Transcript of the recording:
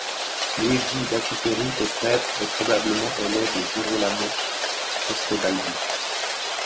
Luigi Battiferri est prêtre et probablement élève de Girolamo Frescobaldi.